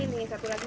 oh ini nih satu lagi